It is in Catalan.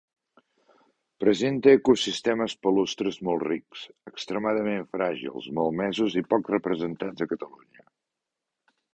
Presenta ecosistemes palustres molt rics, extremadament fràgils, malmesos i poc representats a Catalunya.